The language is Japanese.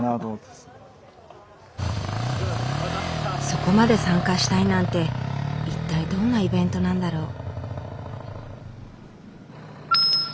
そこまで参加したいなんて一体どんなイベントなんだろう？